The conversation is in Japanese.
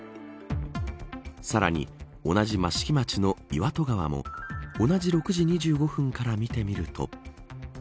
さらに、同じ益城町の岩戸川も同じ６時２５分から見てみると。